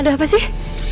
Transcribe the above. ada apa sih